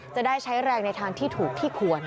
จะได้ใช้แรงในทางที่ถูกที่ควร